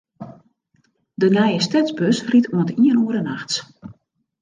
De nije stedsbus rydt oant iene oere nachts.